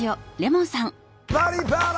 「バリバラ」！